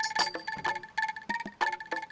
dan setengah orang menang projection